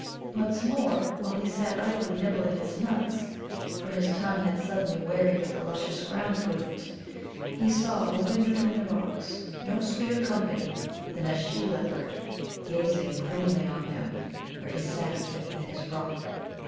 What's more, while he sat idly nibbling his nuts, for his tongue had suddenly wearied of the luscious ground fruit, he saw moving between the rocks no sweeter company than a she leopard gazing grinningly on him where he sat beneath his rock.